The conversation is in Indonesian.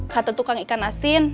kata tukang ikan asin